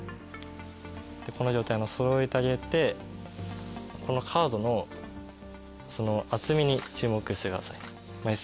この状態をそろえてあげてこのカードの厚みに注目してください枚数。